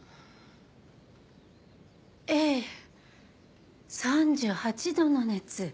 ええ３８度の熱。